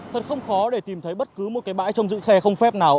thật không khó để tìm thấy bất cứ một cái bãi trong dự khe không phép nào